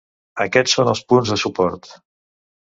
Aquests són els punts de suport.